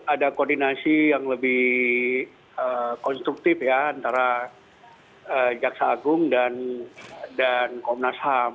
ada koordinasi yang lebih konstruktif ya antara jaksa agung dan komnas ham